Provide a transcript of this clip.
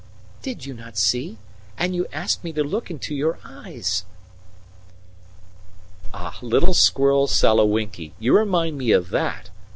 "Did you not see? And you asked me to look into your eyes!" "Ah, little squirrel Sakawinki, you remind me of that!"